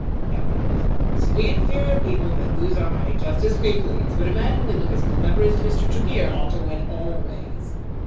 "No; of course. We inferior people may lose our money just as we please. But a man who can look as clever as Mr. Tregear ought to win always."